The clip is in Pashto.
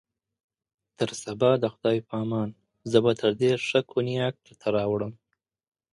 تر سبا د خدای په امان، زه به تر دې ښه کونیاک درته راوړم.